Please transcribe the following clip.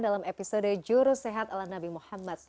dalam episode juru sehat ala nabi muhammad